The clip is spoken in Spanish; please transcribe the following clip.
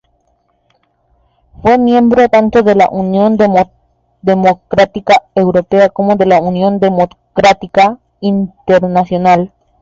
Fue miembro tanto de la Unión Democrática Europea como de la Unión Democrática Internacional.